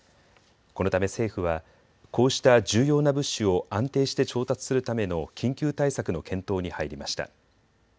このため政府はこうした重要な物資を安定して調達するための緊急対策の検討に入りました。